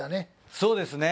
そうですね。